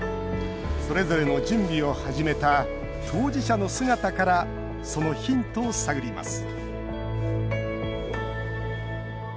それぞれの準備を始めた当事者の姿からそのヒントを探ります